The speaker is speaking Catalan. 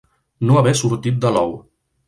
No haver sortit de l'ou.